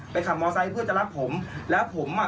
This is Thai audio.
ขับมอไซค์เพื่อจะรับผมแล้วผมอ่ะ